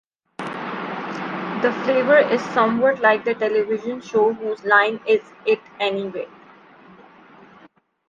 The flavor is somewhat like the television show Whose Line Is It Anyway?